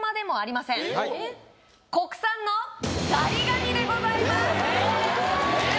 国産のザリガニでございますえっ？